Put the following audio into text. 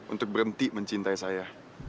untuk berhenti mencintai saya